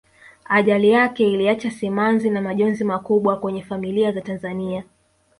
ajali yake iliacha simanzi na majonzi makubwa kwenye familia za tanzania